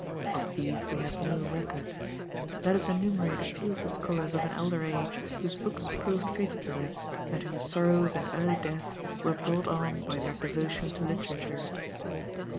Of these we have no record; let us enumerate a few of the scholars of an elder age whose books proved fatal to them, and whose sorrows and early deaths were brought on by their devotion to literature.